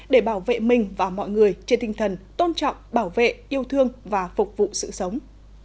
để bảo vệ mình và mọi người trên tinh thần tôn trọng bảo vệ yêu thương và phục vụ sự sống